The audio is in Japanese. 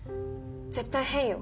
絶対変よ。